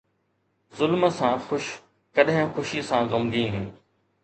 ظلم سان خوش، ڪڏهن خوشي سان غمگين